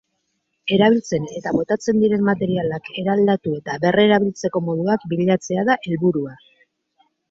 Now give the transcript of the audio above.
Erabiltzen eta botatzen diren materialak eraldatu eta berrerabiltzeko moduak bilatzea da helburua.